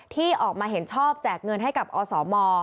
ที่ออกมาเห็นชอบแจกเงินให้กับอสม